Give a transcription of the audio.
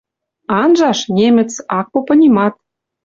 Анжаш — немец, ак попы нимат.